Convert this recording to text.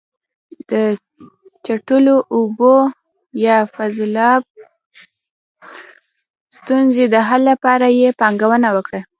د چټلو اوبو یا فاضلاب ستونزې د حل لپاره یې پانګونه وکړه.